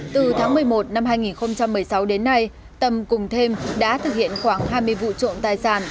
từ tháng một mươi một năm hai nghìn một mươi sáu đến nay tâm cùng thêm đã thực hiện khoảng hai mươi vụ trộm tài sản